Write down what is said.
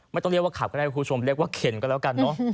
ไม่ต้องเรียกว่าขับก็ได้ครูชมเรียกว่าเข็นก็แล้วกันเนอะ